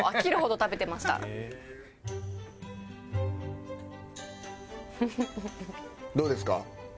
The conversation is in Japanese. どうですか？